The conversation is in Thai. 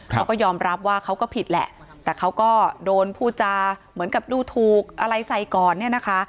เขาก็ยอมรับว่าเขาก็ผิดแหละแต่เขาก็โดนพูดจาเหมือนกับดูถูกอะไรใส่ก่อนเนี่ยนะคะ